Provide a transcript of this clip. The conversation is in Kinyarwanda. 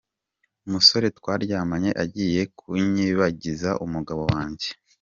Umusore twaryamanye agiye kunyibagiza umugabo wanjye.